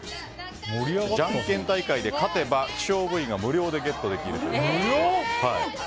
じゃんけん大会で勝てば希少部位が無料でゲットできるそうです。